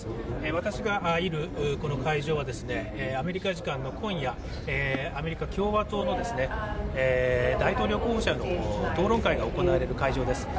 私がいるこの会場は、アメリカ時間の今夜、アメリカ共和党の大統領候補者の討論会が行われる会場です。